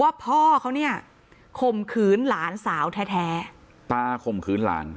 พ่อเขาเนี่ยข่มขืนหลานสาวแท้แท้ตาข่มขืนหลาน